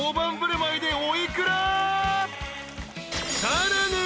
［さらに］